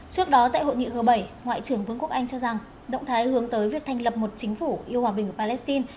trước đó tại hội nghị g bảy ngoại trưởng vương quốc anh cho rằng động thái hướng tới việc thành lập một chính phủ yêu hòa bình của palestine